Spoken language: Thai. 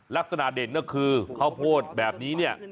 ลักษณะเด่นก็คือข้าวโพดแบบนี้เนี่ย